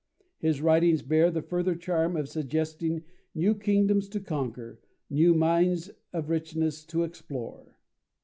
His writings bear the further charm of suggesting new kingdoms to conquer, new mines of richness to explore.